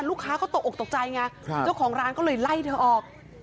ลูกค้าเขาตกออกตกใจไงเจ้าของร้านก็เลยไล่เธอออก